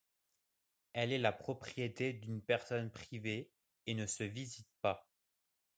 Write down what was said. Elle est la propriété d'une personne privée et ne se visite pas.